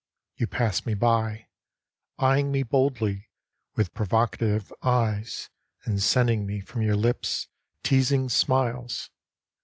You pass me by, Eyeing me boldly With provocative eyes And sending me from your lips Teasing smiles.